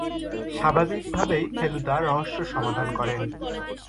স্বাভাবিকভাবেই ফেলুদা রহস্য সমাধান করে।